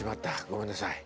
ごめんなさい。